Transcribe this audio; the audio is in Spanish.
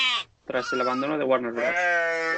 Tras el abandono de Warner Bros.